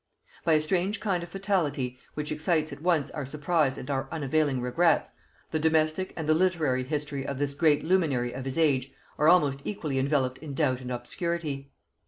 By a strange kind of fatality, which excites at once our surprise and our unavailing regrets, the domestic and the literary history of this great luminary of his age are almost equally enveloped in doubt and obscurity.